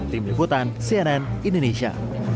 tim liputan cnn indonesia